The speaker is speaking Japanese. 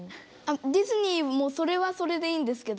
ディズニーもそれはそれでいいんですけど。